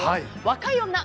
若い女。